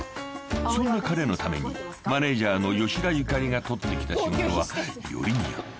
［そんな彼のためにマネジャーの吉田ゆかりが取ってきた仕事はよりによって］